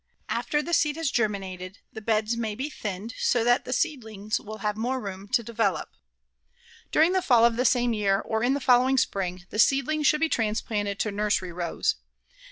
After the seed has germinated the beds may be thinned so that the seedlings will have more room to develop. During the fall of the same year, or in the following spring, the seedlings should be transplanted to nursery rows.